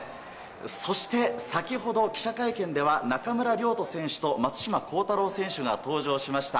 そして、先ほど記者会見では中村亮土選手と松島幸太朗選手が登場しました。